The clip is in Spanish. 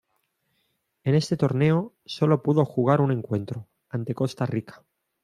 En este torneo sólo pudo jugar un encuentro, ante Costa Rica.